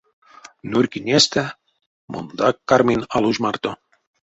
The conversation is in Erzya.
Нурькинестэ, монгак карминь алуж марто.